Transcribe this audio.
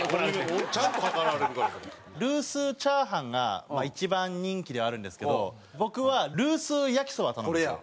ルースチャーハンが一番人気ではあるんですけど僕はルース焼きそば頼むんですよ。